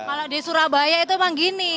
kalau di surabaya itu emang gini